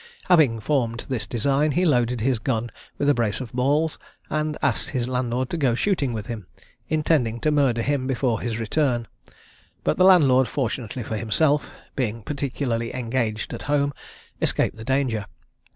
Having formed this design, he loaded his gun with a brace of balls, and asked his landlord to go shooting with him, intending to murder him before his return; but the landlord, fortunately for himself, being particularly engaged at home, escaped the danger.